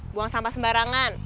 buang sampah sembarangan